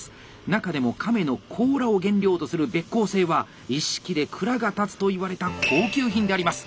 中でも亀の甲羅を原料とするべっ甲製は一式で蔵が建つといわれた高級品であります。